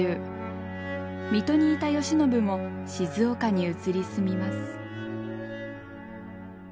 水戸にいた慶喜も静岡に移り住みます。